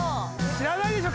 知らないでしょ